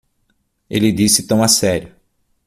Ele disse tão a sério.